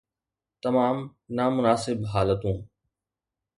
تمام نامناسب حالتون